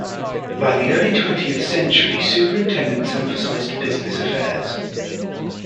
By the early twentieth century, superintendents emphasized business affairs.